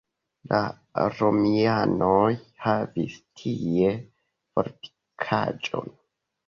La romianoj havis tie fortikaĵon.